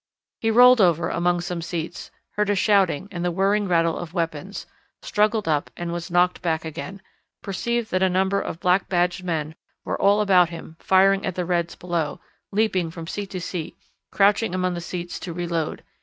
He rolled over among some seats, heard a shouting and the whirring rattle of weapons, struggled up and was knocked back again, perceived that a number of black badged men were all about him firing at the reds below, leaping from seat to seat, crouching among the seats to reload.